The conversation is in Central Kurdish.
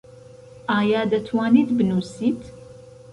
ئایا دەتوانیت بنووسیت؟